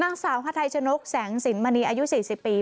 นางสาวฮาไทชนกแสงสินมณีอายุ๔๐ปี